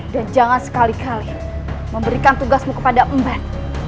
dan jangan sekali kali memberikan tugasmu kepada umbat